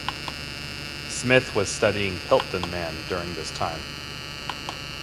Smith was studying Piltdown Man during this time.